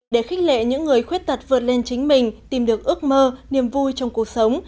để khích lệ những người khuyết tật vượt lên chính mình tìm được ước mơ niềm vui trong cuộc sống